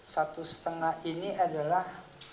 satu setengah ini adalah